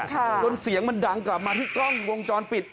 จนเสียงมันดังกลับมาที่กล้องวงจรปิด